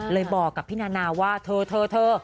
เลยบอกกับพี่นาว่าเธอ